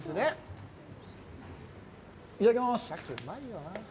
いただきます。